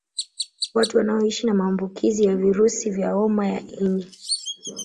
Watu wanaoishi na maambukizi ya virusi vya homa ya ini